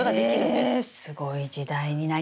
えすごい時代になりましたね。